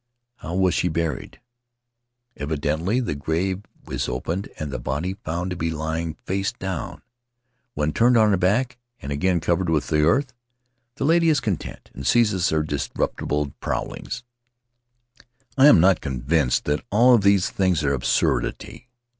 How was she buried?' Eventually the grave is opened and the body found to be lying face down; when turned on her back and again covered with earth the lady is content, and ceases her dis reputable prowlings. "I am not convinced that all of these things are absurdity.